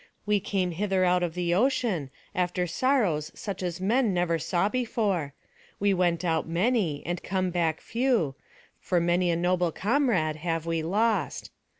We came hither out of the ocean, after sorrows such as man never saw before. We went out many, and come back few, for many a noble comrade have we lost.